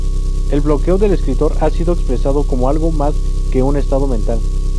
El bloqueo del escritor ha sido expresado como algo más que un estado mental.